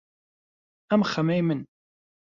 ئەم خەمەی من